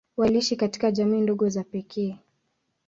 Waliishi katika jamii ndogo za pekee.